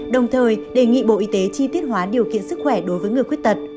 đồng thời đề nghị bộ y tế chi tiết hóa điều kiện sức khỏe đối với người khuyết tật